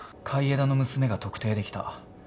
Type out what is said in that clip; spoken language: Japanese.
海江田の娘が特定できた。